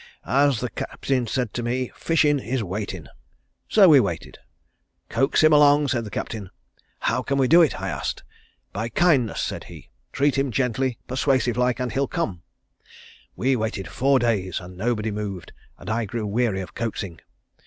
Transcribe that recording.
As the Captain said to me, 'Fishin' is waitin'.' So we waited. 'Coax him along,' said the Captain. 'How can we do it?' I asked. 'By kindness,' said he. 'Treat him gently, persuasive like and he'll come.' We waited four days and nobody moved and I grew weary of coaxing.